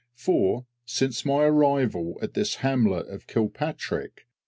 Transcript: For, since my arrival at this hamlet of Kilpaitrick, N.